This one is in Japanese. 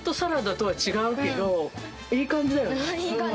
いい感じ！